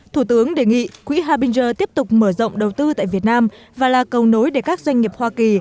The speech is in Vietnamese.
thủ tướng đề nghị quỹ hapinger tiếp tục mở rộng đầu tư tại việt nam và là cầu nối để các doanh nghiệp hoa kỳ